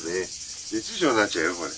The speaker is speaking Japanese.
熱中症になっちゃうよこれ。